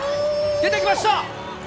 出てきました！